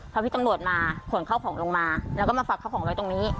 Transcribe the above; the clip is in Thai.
พอพี่ตำรวจมาขนเข้าของลงมาแล้วก็มาฝากข้าวของไว้ตรงนี้